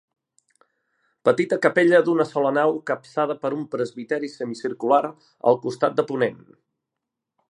Petita capella d'una sola nau capçada per un presbiteri semicircular al costat de ponent.